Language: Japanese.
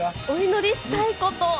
お祈りしたいこと。